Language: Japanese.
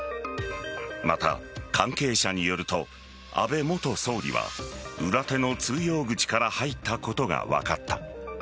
また、関係者によると安倍元総理は裏手の通用口から入ったことが分かった。